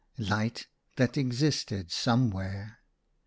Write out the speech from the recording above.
Light — that existed somewhere